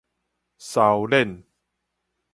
嘲臉